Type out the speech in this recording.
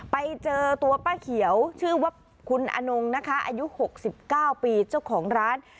ไปเจอตัวป้าเขียวชื่อว่าคุณอนงนะคะอายุ๖๙ปีเจ้าของร้าน